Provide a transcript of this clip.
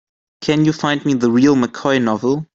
Can you find me The Real McCoy novel?